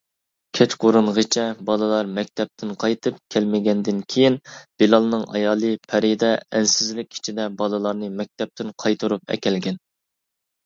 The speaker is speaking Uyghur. كەچقۇرۇنغىچە، بالىلار مەكتەپتىن قايتىپ كەلمىگەندىن كىيىن، بىلالنىڭ ئايالى پەرىدە ئەنسىزلىك ئىچىدە بالىلارنى مەكتەپتىن قايتۇرۇپ ئەكەلگەن.